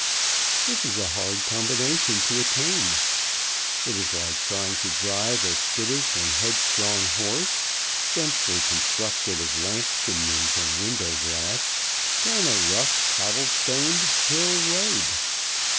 This is a hard combination to attain. It is like trying to drive a skittish and headstrong horse, densely constructed of lamp chimneys and window glass, down a rough cobble stoned hill road.